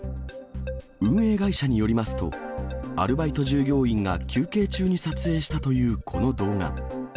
運営会社によりますと、アルバイト従業員が休憩中に撮影したというこの動画。